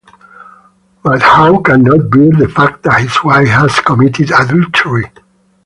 Madhav cannot bear the fact that his wife has committed adultery.